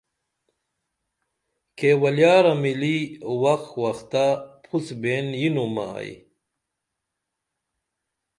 کیولیارہ مِلی وخ وختہ پُھس بین ینُمہ ائی